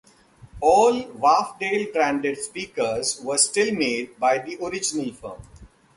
All Wharfedale-branded speakers were still made by the original firm.